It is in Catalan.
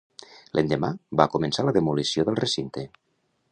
L'endemà, va començar la demolició del recinte.